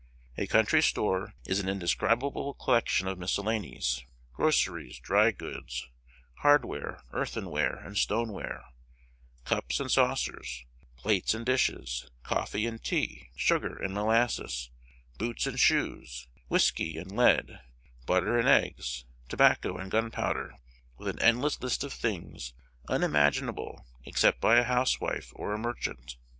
A country store is an indescribable collection of miscellanies, groceries, drygoods, hardware, earthenware, and stoneware, cups and saucers, plates and dishes, coffee and tea, sugar and molasses, boots and shoes, whiskey and lead, butter and eggs, tobacco and gunpowder, with an endless list of things unimaginable except by a housewife or a "merchant."